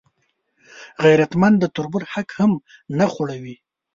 غیرتمند د تربور حق هم نه خوړوي